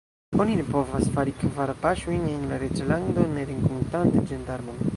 Oni ne povas fari kvar paŝojn en la reĝlando, ne renkontante ĝendarmon.